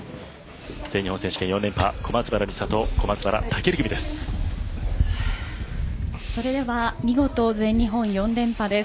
全日本選手権４連覇小松原美里・小松原尊組です。